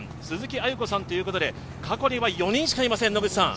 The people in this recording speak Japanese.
鈴木亜由子さんということで、過去には４人しかいません。